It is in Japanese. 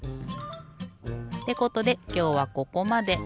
ってことできょうはここまで。